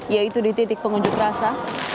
yaitu di titik pengunjuk rasa